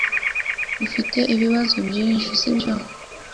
Ufite ibibazo byinshi, sibyo?